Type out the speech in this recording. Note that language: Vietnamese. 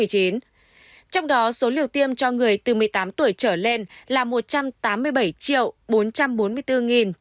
trong đó số liều tiêm cho người từ một mươi tám tuổi trở lên là một trăm tám mươi bảy bốn trăm bốn mươi bốn chín trăm chín mươi tám liều